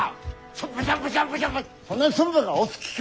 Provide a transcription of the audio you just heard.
そんなに駿府がお好きか！